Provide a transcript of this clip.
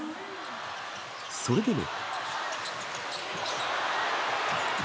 それでも。